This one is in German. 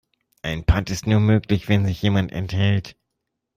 Ein Patt ist nur möglich, wenn sich jemand enthält.